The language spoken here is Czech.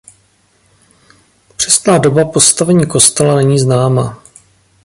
Přesná doba postavení kostela není známa.